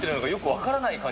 分からない。